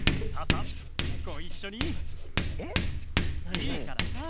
いいからさあ。